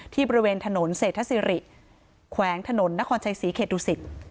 บริเวณถนนเศรษฐศิริแขวงถนนนครชัยศรีเขตดุสิต